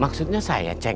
maksudnya saya ceng